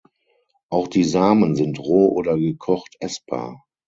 Auch die Samen sind roh oder gekocht essbar.